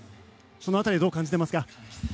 その辺りはどう感じていますか？